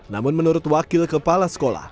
namun menurut wakil kepala sekolah